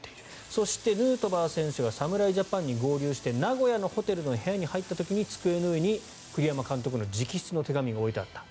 そして、ヌートバー選手が侍ジャパンの合流して名古屋のホテルの部屋に入った時に机の上に栗山監督の直筆の手紙が置いてあった。